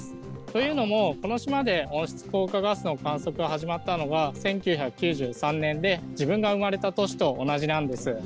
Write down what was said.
というのもこの島で温室効果ガスの観測が始まったのが、１９９３年で、自分が生まれた年と同じなんです。